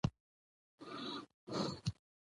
ماشوم له لوبو وروسته کور ته ستون شو